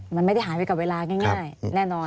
มันไม่ได้หายไปกับเวลาง่ายแน่นอน